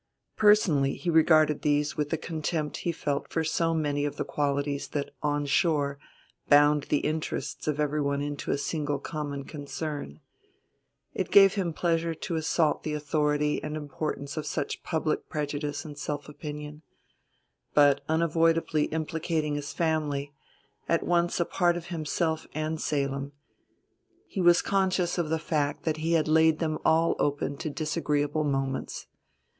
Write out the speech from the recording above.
Personally he regarded these with the contempt he felt for so many of the qualities that on shore bound the interests of everyone into a single common concern. It gave him pleasure to assault the authority and importance of such public prejudice and self opinion; but, unavoidably implicating his family, at once a part of himself and Salem, he was conscious of the fact that he had laid them all open to disagreeable moments.